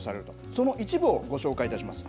その一部をご紹介いたします。